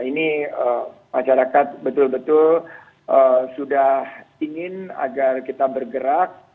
ini masyarakat betul betul sudah ingin agar kita bergerak